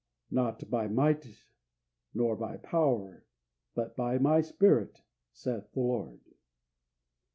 "Not by might nor by power, but by My Spirit, saith the Lord."